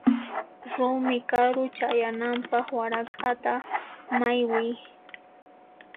Rumi karu chayananpaq warak'ata maywiy.